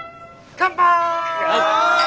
乾杯！